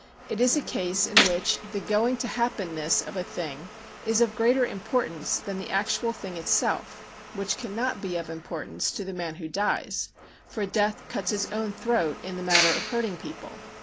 It is a case in which the going to happen ness of a thing is of greater importance than the actual thing itself which cannot be of importance to the man who dies, for Death cuts his own throat in the matter of hurting people.